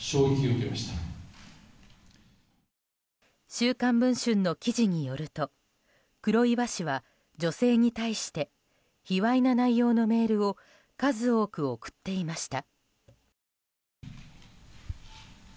「週刊文春」の記事によると黒岩氏は女性に対して卑猥な内容のメールを数多く送っていました。